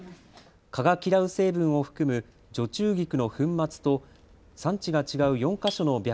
蚊が嫌う成分を含む除虫菊の粉末と産地が違う４か所のびゃ